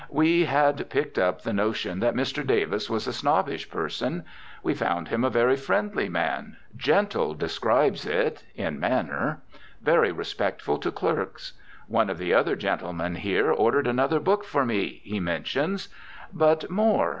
We had picked up the notion that Mr. Davis was a snobbish person; we found him a very friendly man; gentle, describes it, in manner. Very respectful to clerks. "One of the other gentlemen here ordered another book for me," he mentions. But more.